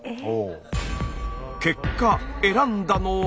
結果選んだのは？